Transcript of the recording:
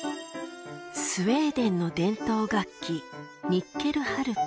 スウェーデンの伝統楽器ニッケルハルパ。